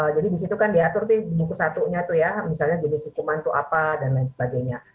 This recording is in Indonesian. jadi di situ kan diatur buku satunya misalnya jenis hukuman itu apa dan lain sebagainya